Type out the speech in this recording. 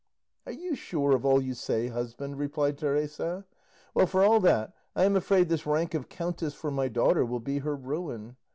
"Are you sure of all you say, husband?" replied Teresa. "Well, for all that, I am afraid this rank of countess for my daughter will be her ruin.